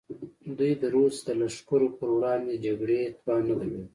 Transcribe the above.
دوی د رودز د لښکرو پر وړاندې جګړې توان نه درلود.